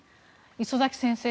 礒崎先生